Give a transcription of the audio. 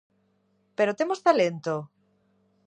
Pero temos talento?